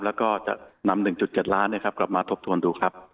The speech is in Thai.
แล้วก็จะนำ๑๗ล้านกลับมาทบทวนดูครับ